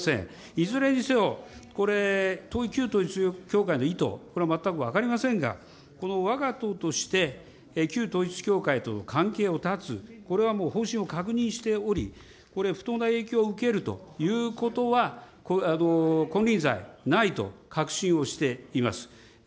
いずれにせよ、これ、旧統一教会の意図、これは全く分かりませんが、わが党として、旧統一教会と関係を断つ、これはもう、方針を確認しており、これ、不当な影響を受けるということは、金輪際ないと確信をしています。